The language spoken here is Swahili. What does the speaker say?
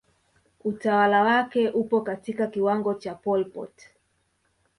Utawala wake upo katika kiwango cha Pol Pot